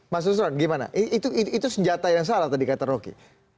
mas usron gimana itu senjata yang salah tadi kata rocky